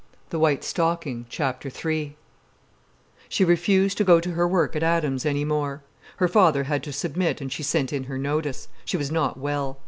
So she was restored at last. III She refused to go to her work at Adams's any more. Her father had to submit and she sent in her notice—she was not well.